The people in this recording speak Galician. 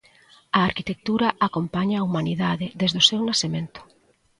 A arquitectura acompaña a humanidade desde o seu nacemento.